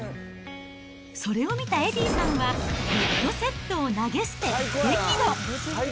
それを見たエディーさんは、ヘッドセットを投げ捨て激怒。